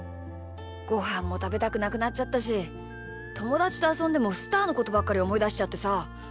ごはんもたべたくなくなっちゃったしともだちとあそんでもスターのことばっかりおもいだしちゃってさ。